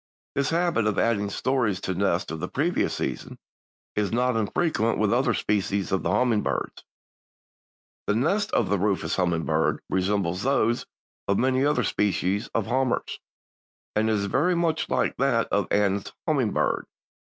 This habit of adding stories to nests of the previous season is not infrequent with other species of the hummingbirds. The nest of the Rufous Hummingbird resembles those of many other species of hummers, and it is very much like that of the Anna's hummingbird.